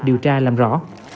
điều tra làm rõ